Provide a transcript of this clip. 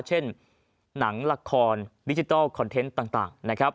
เช่นหนังละครดิจิทัลคอนเทนต์ต่างนะครับ